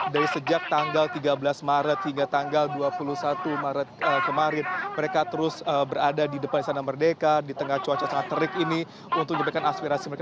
dari sejak tanggal tiga belas maret hingga tanggal dua puluh satu maret kemarin mereka terus berada di depan istana merdeka di tengah cuaca sangat terik ini untuk menyampaikan aspirasi mereka